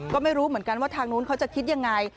ก็ไม่รู้เหมือนกันว่าทางนู้นเขาจะคิดยังไง